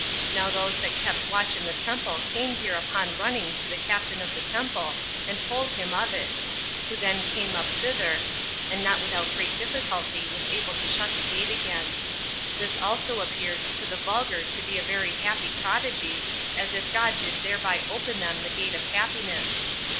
Now those that kept watch in the temple came hereupon running to the captain of the temple, and told him of it; who then came up thither, and not without great difficulty was able to shut the gate again. This also appeared to the vulgar to be a very happy prodigy, as if God did thereby open them the gate of happiness.